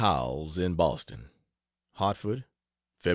Howells, in Boston: HARTFORD, Feb.